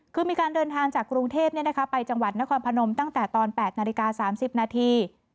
คือมีการเดินทางจากกรุงเทพไปจังหวัดนครพนมตั้งแต่ตอน๘นาฬิกา๓๐นาที